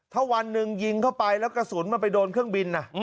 ถ้าวันหนึ่งยิงเข้าไปแล้วกระสุนมันไปโดนเครื่องบิน